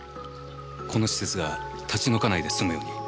この施設が立ち退かないですむように。